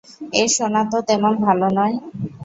এ সোনা তো তেমন ভালো নয়।